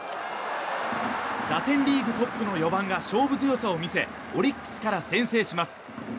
打点リーグトップの４番が勝負強さを見せオリックスから先制します。